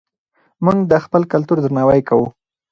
موږ د خپل کلتور درناوی کوو.